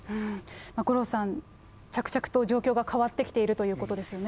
五郎さん、着々と状況が変わってきているということですよね。